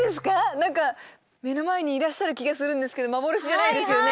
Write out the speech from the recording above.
何か目の前にいらっしゃる気がするんですけど幻じゃないですよね？